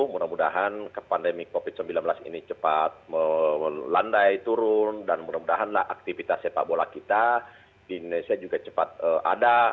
mudah mudahan pandemi covid sembilan belas ini cepat melandai turun dan mudah mudahanlah aktivitas sepak bola kita di indonesia juga cepat ada